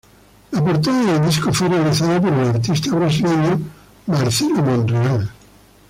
La portada del disco fue realizada por el artista brasileño Marcelo Monreal.